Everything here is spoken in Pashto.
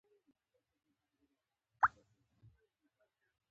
روزګار یې جوړ شو.